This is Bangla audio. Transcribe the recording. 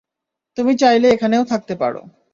তুমি চাইলে এখানেও থাকতে পারো।